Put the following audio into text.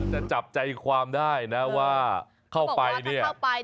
จับใจความได้นะว่าเข้าไปเนี่ย